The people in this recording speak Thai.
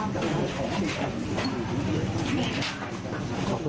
หลังจากที่สุดยอดเย็นหลังจากที่สุดยอดเย็น